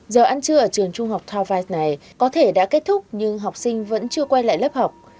giờ ăn trưa ở trường trung học thavite này có thể đã kết thúc nhưng học sinh vẫn chưa quay lại lớp học